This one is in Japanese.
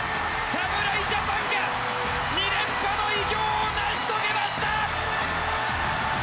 侍ジャパンが２連覇の偉業を成し遂げました！